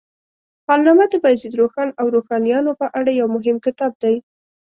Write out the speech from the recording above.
حالنامه د بایزید روښان او روښانیانو په اړه یو مهم کتاب دی.